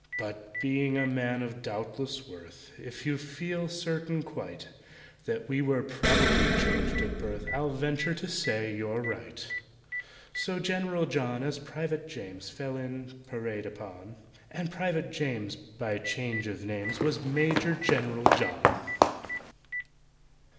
"But, being a man of doubtless worth, If you feel certain quite That we were probably changed at birth, I'll venture to say you're right." So GENERAL JOHN as PRIVATE JAMES Fell in, parade upon; And PRIVATE JAMES, by change of names, Was MAJOR GENERAL JOHN.